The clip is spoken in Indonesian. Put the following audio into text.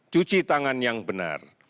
cuci tangan yang benar